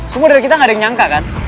semua dari kita gak ada yang nyangka kan